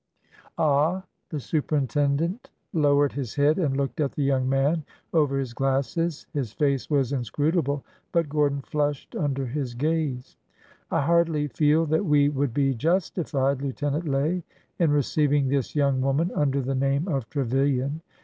Ah !" The superintendent lowered his head and looked at the young man over his glasses. His face was inscrutable, but Gordon flushed under his gaze. " I hardly feel that we would be justified. Lieutenant Lay, in receiving this young woman under the name of Trevilian.